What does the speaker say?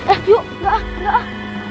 eh yuk nggak ah nggak ah